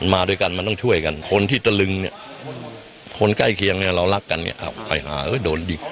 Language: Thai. มาด้วยกันมันต้องช่วยกันคนที่ตะลึงเนี่ยคนใกล้เคียงเนี่ยเรารักกันเนี่ยไปหาโดนยิง